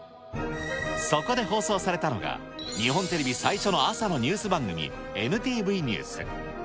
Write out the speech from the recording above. そこで放送されたのが、日本テレビ最初の朝のニュース番組、ＮＴＶニュース。